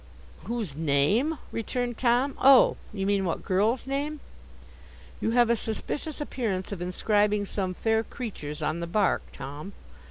'Whose name?' returned Tom. 'Oh! You mean what girl's name?' 'You have a suspicious appearance of inscribing some fair creature's on the bark, Tom.